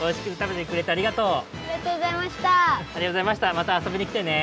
またあそびにきてね！